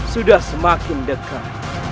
sudah semakin dekat